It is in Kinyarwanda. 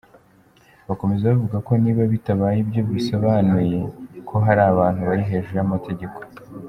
Bakomeza bavuga ko niba bitabaye ibyo bisobanuye ko hari abantu bari hejuru y’amategeko.